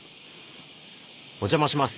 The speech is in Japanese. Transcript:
お邪魔します。